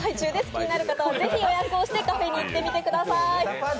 気になる方はぜひ予約をしてカフェに行ってみてください。